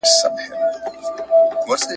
موږ شهپر دی غلیمانو ته سپارلی ..